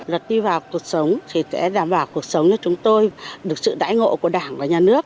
luật đi vào cuộc sống thì sẽ đảm bảo cuộc sống cho chúng tôi được sự đải ngộ của đảng và nhà nước